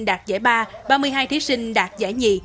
đạt giải ba ba mươi hai thí sinh đạt giải nhì